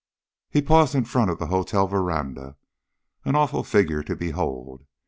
He paused in front of the hotel veranda, an awful figure to behold.